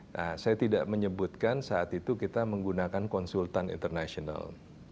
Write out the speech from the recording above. nah saya tidak menyebutkan saat itu kita menggunakan konsultan internasional